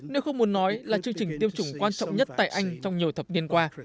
nếu không muốn nói là chương trình tiêm chủng quan trọng nhất tại anh trong nhiều thập niên qua